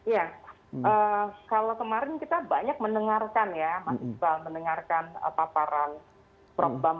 ya kalau kemarin kita banyak mendengarkan ya masih banyak mendengarkan paparan